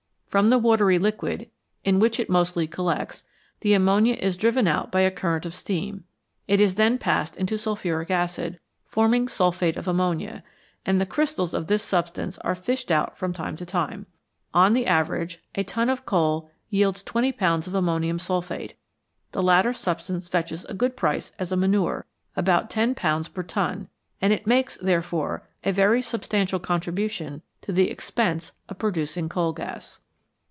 From the watery liquid, in which it mostly collects, the ammonia is driven out by a current of steam ; it is then passed into sulphuric acid, forming sulphate of ammonia, and the crystals of this substance are fished out from time to time. On the average, a ton of coal yields 20 Ibs. of ammonium sulphate ; the latter substance fetches a good price as a manure about .10 per ton and it makes, therefore, a very substantial contribution to the expense of producing the coal gas.